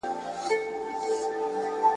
زما شهپرونه خدای قفس ته پیدا کړي نه دي ..